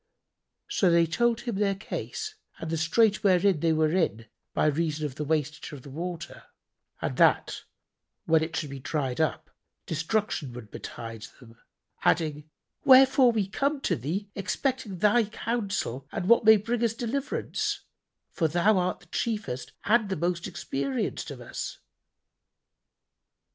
So they told him their case and the strait wherein they were by reason of the wastage of the water, and that, when it should be dried up, destruction would betide them, adding, "Wherefore we come to thee, expecting thy counsel and what may bring us deliverance, for thou art the chiefest and the most experienced of us."